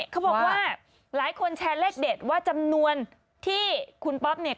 เขาบอกว่าหลายคนแชร์เลขเด็ดว่าจำนวนที่คุณป๊อปเนี่ย